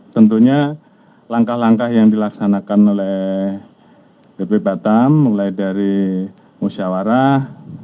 tentunya langkah langkah yang dilaksanakan oleh bp batam mulai dari musyawarah